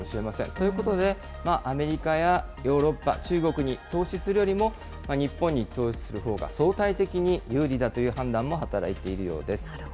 ということで、アメリカやヨーロッパ、中国に投資するよりも、日本に投資するほうが相対的に有利だという判断も働いているようです。